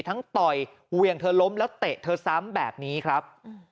ต่อยเหวี่ยงเธอล้มแล้วเตะเธอซ้ำแบบนี้ครับ